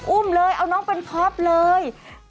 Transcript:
อุ้มเลยเอาน้องเป็นคอปเลย